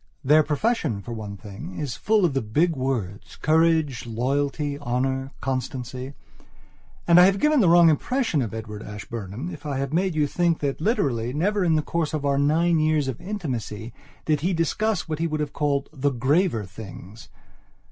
Their profession, for one thing, is full of the big words, courage, loyalty, honour, constancy. And I have given a wrong impression of Edward Ashburnham if I have made you think that literally never in the course of our nine years of intimacy did he discuss what he would have called "the graver things."